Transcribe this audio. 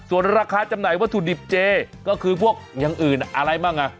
ส่วนราคาจำหน่ายวัตถุดิบเจก็คือพวกอย่างอื่นอะไรบ้างอ่ะ